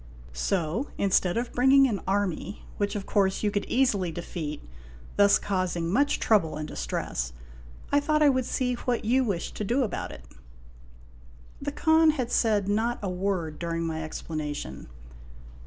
So, instead of bring ing an army, which, of course, you could easily defeat, thus causing much trouble and dis <^> tress, 1 thought I would see what you wished to do about it.' j The Khan said not a word during my explanation.